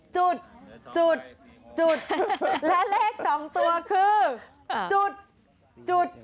จุดจุดจุดและเลข๒ตัวคือจุดจุด